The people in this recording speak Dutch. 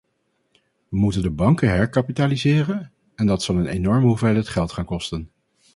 We moeten de banken herkapitaliseren, en dat zal een enorme hoeveelheid geld gaan kosten.